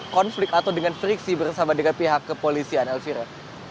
konflik atau dengan friksi bersama dengan pihak kepolisian elvira